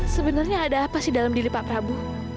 sebenarnya ada apa sih dalam diri pak prabu